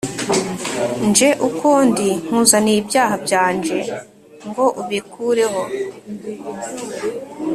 Nje uko ndi nkuzaniye ibyaha byanje ngo ubikureho